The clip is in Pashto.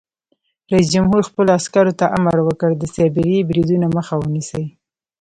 رئیس جمهور خپلو عسکرو ته امر وکړ؛ د سایبري بریدونو مخه ونیسئ!